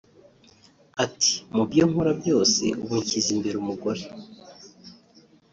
Ati “Mu byo nkora byose ubu nshyize imbere umugore